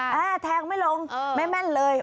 จะแทงไม่ลงแม่นเลย